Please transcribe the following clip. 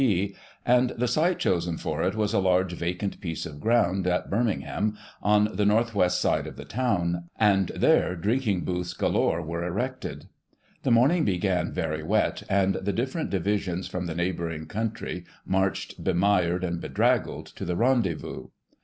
P., and the site chosen for it was a large vacant piece of ground, at Birmingham, on the north west side of the town, and there drinking booths galore were erected. The morning began very wet, and the different divisions from the neighbouring country marched bemired and bedraggled to the rendezous.